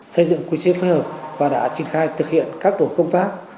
xây dựng quy chế phối hợp và đã triển khai thực hiện các tổ công tác